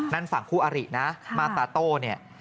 นั่นฝั่งคู่อรินะมาตาโต้เนี่ย